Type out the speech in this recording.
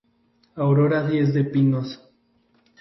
Aurora Diez de Pinos.